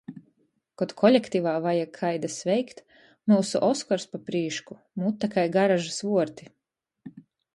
Kod kolektivā vajag kaida sveikt, myusu Oskars pa prīšku. Mute kai garažys vuorti!